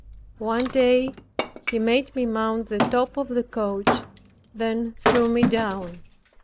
One day he made me mount the top of the coach; then threw me down.